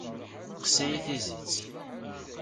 Teqqes-iyi tizit.